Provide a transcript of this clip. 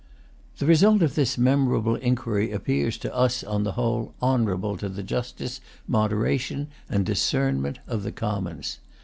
The result of this memorable inquiry appears to us, on the whole, honourable to the justice, moderation, and discernment of the Commons.